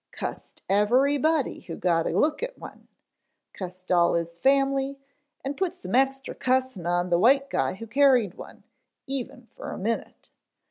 Cussed everybody who got a look at one, cussed all his family, and put some extra cussin' on the white guy who carried one, even fer a minute.